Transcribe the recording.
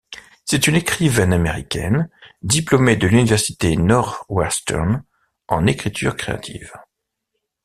C'est une écrivaine américaine diplômée de l'Université Northwestern, en écriture créative.